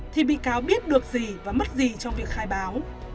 thì bị cáo biết được gì và mất gì trong việc khai báo